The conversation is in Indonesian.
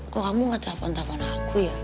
kok kamu gak telepon telepon aku ya